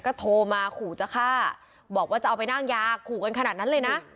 ก็โทรมาขู่จะฆ่าบอกว่าจะเอาไปนั่งยาขู่กันขนาดนั้นเลยนะ